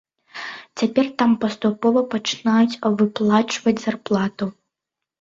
Цяпер там паступова пачынаюць выплачваць зарплату.